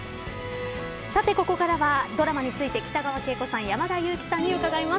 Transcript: さてここからはドラマについて北川景子さん山田裕貴さんに伺います。